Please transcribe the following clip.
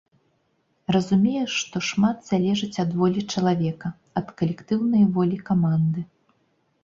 Разумееш, што шмат залежыць ад волі чалавека, ад калектыўнай волі каманды.